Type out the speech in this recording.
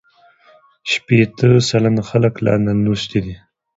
شپېته سلنه خلک لا نالوستي دي.